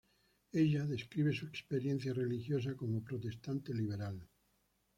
Ella describe su experiencia religiosa como protestante liberal.